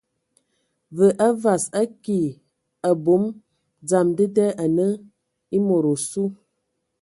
Və a vas, a ki ! Abom dzam dəda anə e mod osu.